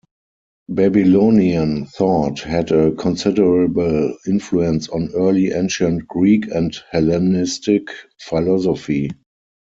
Babylonian thought had a considerable influence on early Ancient Greek and Hellenistic philosophy.